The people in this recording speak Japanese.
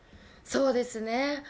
そうですね。